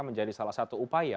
menjadi salah satu upaya